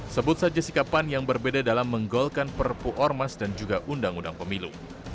sebut saja sikapan yang berbeda dalam menggolkan perpu ormas dan juga undang undang pemilu